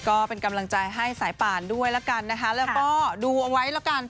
ก็เป็นกำลังใจให้สายป่านด้วยละกันนะคะแล้วก็ดูเอาไว้แล้วกัน